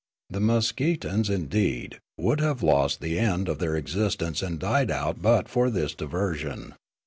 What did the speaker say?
The Meskeetans, indeed, would have lost the end of their existence and died out but for this diversion.